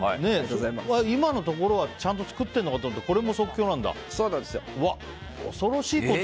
今のところはちゃんと作ってるのかと思ったらそうなんですよ。